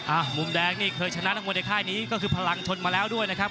มุมแดงนี่เคยชนะนักมวยในค่ายนี้ก็คือพลังชนมาแล้วด้วยนะครับ